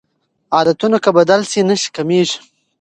عادتونه که بدل شي نښې کمېږي.